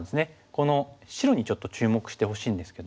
この白にちょっと注目してほしいんですけども。